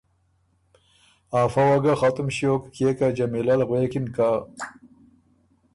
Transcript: افۀ وه ګۀ ختُم ݭیوک کيې که جمیلۀ ل غوېکِن که